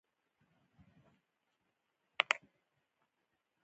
او له هغه څخه یې هیله وکړه.